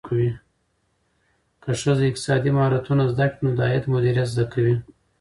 که ښځه اقتصادي مهارتونه زده کړي، نو د عاید مدیریت زده کوي.